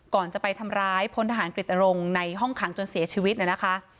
ก่อนจะไปทำร้ายพลทหารกฤตรงในห้องขังจนเสียชีวิตนะคะ